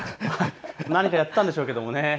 何かやっていたんでしょうけどもね。